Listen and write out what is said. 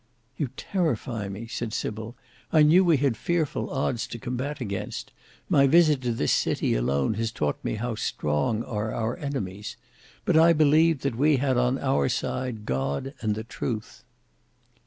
"You terrify me," said Sybil. "I knew we had fearful odds to combat against. My visit to this city alone has taught me how strong are our enemies. But I believed that we had on our side God and Truth."